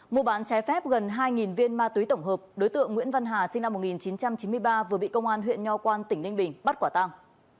mua bán trái phép gần hai viên ma túy tổng hợp đối tượng nguyễn văn hà sinh năm một nghìn chín trăm chín mươi ba vừa bị công an huyện nho quan tỉnh ninh bình bắt quả tăng